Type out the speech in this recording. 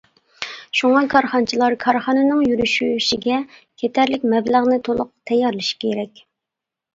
شۇڭا، كارخانىچىلار كارخانىنىڭ يۈرۈشۈشىگە كېتەرلىك مەبلەغنى تولۇق تەييارلىشى كېرەك.